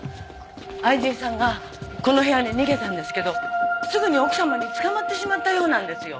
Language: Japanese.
愛人さんがこの部屋に逃げたんですけどすぐに奥様に捕まってしまったようなんですよ。